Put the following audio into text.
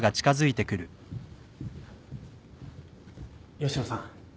吉野さん。